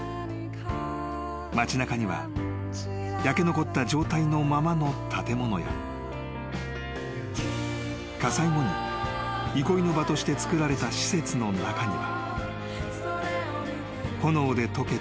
［街なかには焼け残った状態のままの建物や火災後に憩いの場として造られた施設の中には］